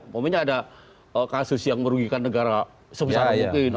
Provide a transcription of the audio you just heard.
pokoknya ada kasus yang merugikan negara sebesar mungkin